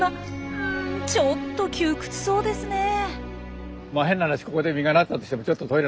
うんちょっと窮屈そうですねえ。